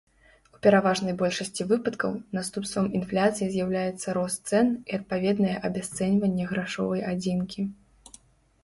У пераважнай большасці выпадкаў наступствам інфляцыі з'яўляецца рост цэн і адпаведнае абясцэньванне грашовай адзінкі.